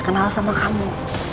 udah bisa kenal sama kamu